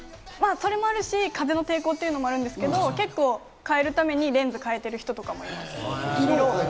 それもあるし、風の抵抗もあるんですけど、スイッチを変えるために色を変えている人とかもいます。